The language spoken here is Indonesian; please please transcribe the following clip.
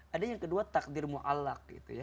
ada yang kedua takdir mu'alak